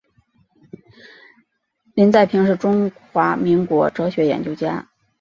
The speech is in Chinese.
林宰平中华民国哲学研究家。